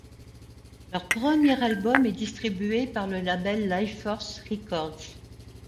Leur premier album est distribué par le label Lifeforce Records.